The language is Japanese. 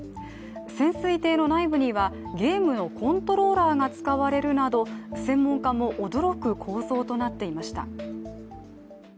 潜水艇の内部にはゲームのコントローラーが使われるなど専門家も驚く構造となっていました。